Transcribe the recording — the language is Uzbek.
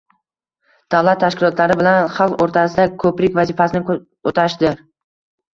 – davlat tashkilotlari bilan xalq o‘rtasida ko‘prik vazifasini o‘tashdir.